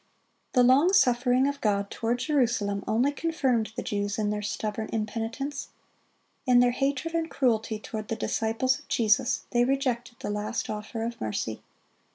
The long suffering of God toward Jerusalem only confirmed the Jews in their stubborn impenitence. In their hatred and cruelty toward the disciples of Jesus, they rejected the last offer of mercy.